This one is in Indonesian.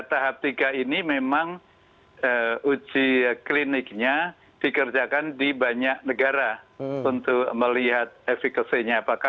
tahap tiga ini memang uji kliniknya dikerjakan di banyak negara untuk melihat efekasinya apakah